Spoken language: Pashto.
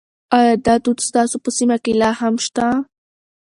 ایا دا دود ستاسو په سیمه کې لا هم شته؟